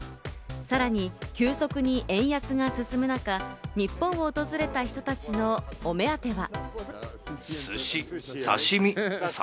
さらに急速に円安が進む中、日本を訪れた人たちのお目当ては。